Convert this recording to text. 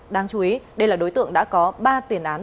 đáng chú ý đây là đối tượng đã có ba tiền án